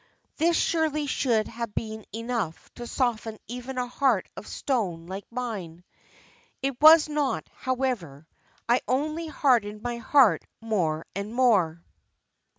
"This surely should have been enough to soften even a heart of stone like mine. It was not so, however. I only hardened my heart more and more.